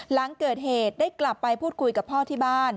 หลังเกิดเหตุได้กลับไปพูดคุยกับพ่อที่บ้าน